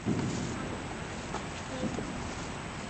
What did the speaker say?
د ټوخي د بلغم لپاره د شلغم او شاتو ګډول وکاروئ